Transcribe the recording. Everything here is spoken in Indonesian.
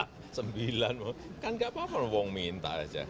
kan nggak apa apa mau minta aja